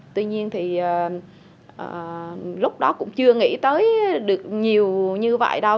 tuy nhiên thì lúc đó cũng chưa nghĩ tới được nhiều như vậy đâu